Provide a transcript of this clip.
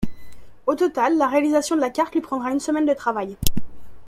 Au total, la réalisation de la carte lui prendre une semaine de travail.